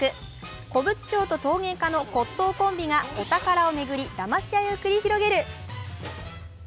古物商と陶芸家の骨董コンビがお宝を巡りだまし合いを繰り広げる。